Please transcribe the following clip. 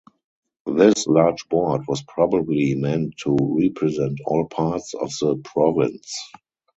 This large board was probably meant to represent all parts of the province.